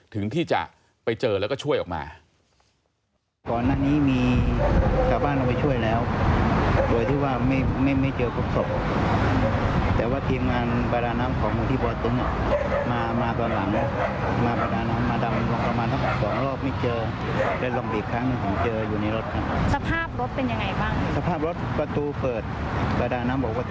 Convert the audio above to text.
ถึงที่จะไปเจอแล้วก็ช่วยออกมา